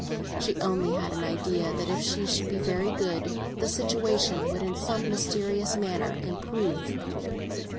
She only had an idea that if she should be very good, the situation would in some mysterious manner improve.